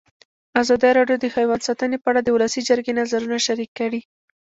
ازادي راډیو د حیوان ساتنه په اړه د ولسي جرګې نظرونه شریک کړي.